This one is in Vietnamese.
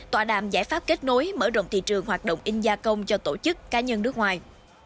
tòa đàm giải pháp kết nối mở rộng thị trường hoạt động in gia công cho tổ chức cá nhân nước ngoài